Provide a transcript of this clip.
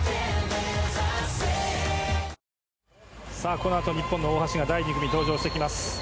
このあと日本の大橋が第２組で登場してきます。